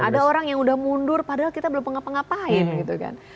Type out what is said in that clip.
ada orang yang udah mundur padahal kita belum ngapa ngapain gitu kan